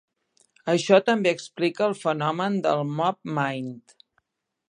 Això també explica el fenomen del mob mind.